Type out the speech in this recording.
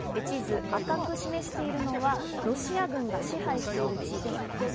地図、赤く示しているのはロシア軍が支配している地域。